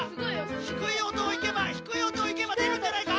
ひくい音をいけばひくい音をいけばでるんじゃないか？